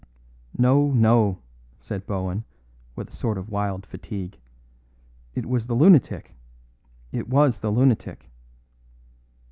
"No, no," said Bohun, with a sort of wild fatigue. "It was the lunatic. It was the lunatic."